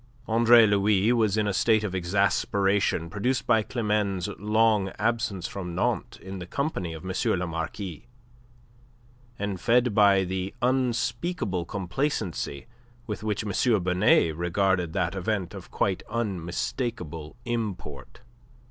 Andre Louis was in a state of exasperation produced by Climene's long absence from Nantes in the company of M. le Marquis, and fed by the unspeakable complacency with which M. Binet regarded that event of quite unmistakable import.